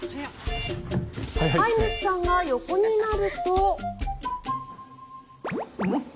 飼い主さんが横になると。